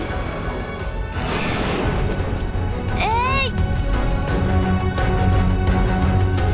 「えいっ！」。